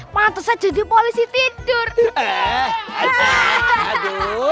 pantesan jadi polisi tidak